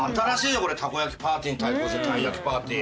これたこ焼きパーティーに対抗するたい焼きパーティー。